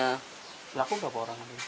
pelaku berapa orang